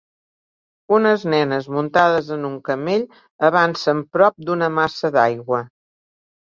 Unes nenes muntades en un camell avancen prop d'una massa d'aigua.